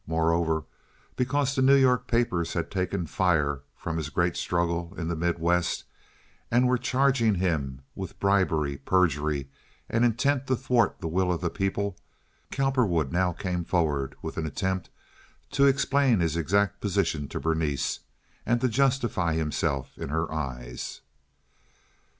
Moreover, because the New York papers had taken fire from his great struggle in the Middle West and were charging him with bribery, perjury, and intent to thwart the will of the people, Cowperwood now came forward with an attempt to explain his exact position to Berenice and to justify himself in her eyes.